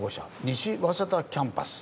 西早稲田キャンパス